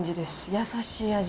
優しい味。